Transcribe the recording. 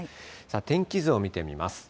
天気図を見てみます。